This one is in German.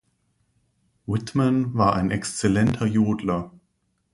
Whitman war ein exzellenter Jodler.